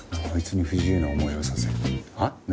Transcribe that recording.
あいつに不自由な思いはさせなはっ？